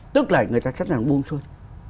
tức là người ta sẵn sàng buông xuôi